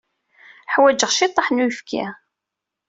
Ḥwajeɣ ciṭṭaḥ n uyefki.